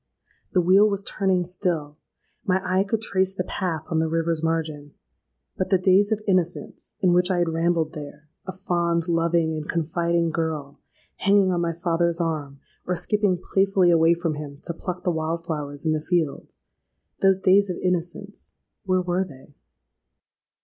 The wheel was turning still: my eye could trace the path on the river's margin;—but the days of innocence, in which I had rambled there—a fond, loving, and confiding girl, hanging on my father's arm, or skipping playfully away from him to pluck the wild flowers in the fields—those days of innocence, where were they?